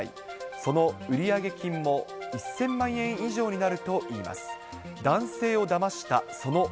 その売上金も１０００万円以上になるといいます。